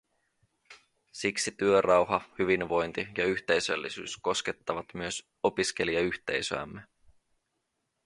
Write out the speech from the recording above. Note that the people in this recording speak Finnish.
Siksi työrauha, hyvinvointi ja yhteisöllisyys koskettavat myös opiskelijayhteisöämme.